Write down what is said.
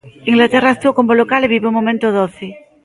Inglaterra actúa como local e vive un momento doce.